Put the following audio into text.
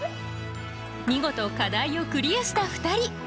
見事課題をクリアした２人。